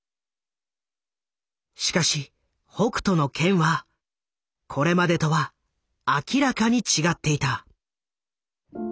しかし「北斗の拳」はこれまでとは明らかに違っていた。